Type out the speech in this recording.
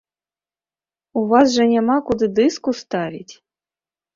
У вас жа няма, куды дыск уставіць!?